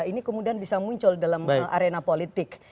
ini kemudian bisa muncul dalam arena politik